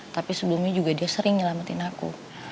tapi sebelumnya juga dia sering nyelamatin aku